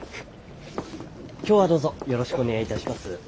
今日はどうぞよろしくお願いいたします。